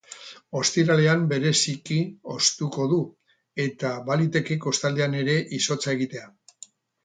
Ostiralean bereziki hoztuko du, eta baliteke kostaldean ere izotza egitea.